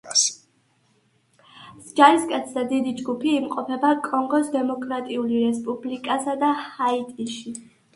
ჯარისკაცთა დიდი ჯგუფი იმყოფება კონგოს დემოკრატიული რესპუბლიკასა და ჰაიტიში.